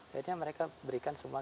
sehingga mereka berikan semua